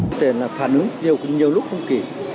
có thể là phản ứng nhiều lúc không kỳ